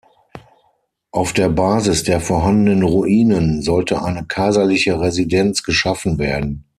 Auf der Basis der vorhandenen Ruinen sollte eine kaiserliche Residenz geschaffen werden.